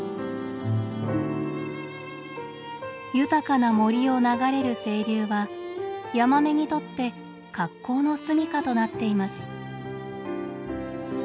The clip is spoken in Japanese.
豊かな森を流れる清流はヤマメにとって格好の住みかとなっています。